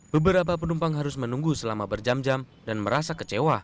beberapa penumpang harus menunggu selama berjam jam dan merasa kecewa